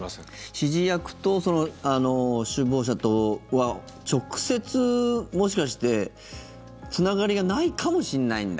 指示役とその首謀者とは直接、もしかしてつながりがないかもしれないんだ。